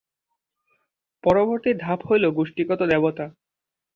পরবর্তী ধাপ হইল গোষ্ঠীগত দেবতা।